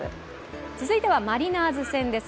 続いてはマリナーズ戦です。